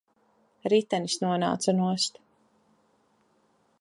Ritenis nonāca nost.